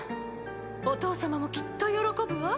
お父様もきっと喜ぶわ。